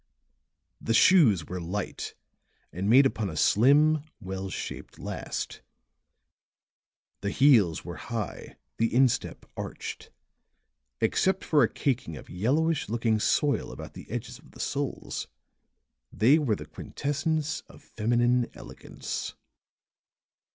The shoes were light and made upon a slim, well shaped last; the heels were high, the instep arched; except for a caking of yellowish looking soil about the edges of the soles they were the quintessence of feminine elegance.